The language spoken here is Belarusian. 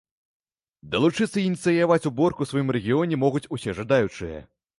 Далучыцца і ініцыяваць уборку ў сваім рэгіёне могуць усе жадаючыя!